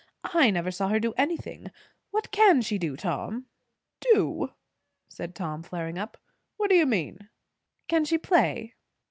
"I never saw her do anything. What can she do, Tom?" "Do?" said Tom, flaring up. "What do you mean?" "Can she play?"